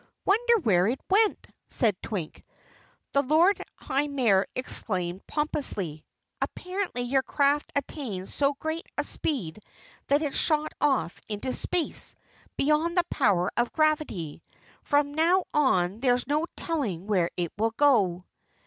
"Wonder where it went?" said Twink. The Lord High Mayor explained pompously. "Apparently your craft attained so great a speed that it shot off into space, beyond the power of gravity. From now on there's no telling where it will go."